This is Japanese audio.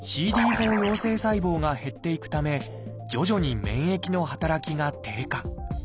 ４陽性細胞が減っていくため徐々に免疫の働きが低下。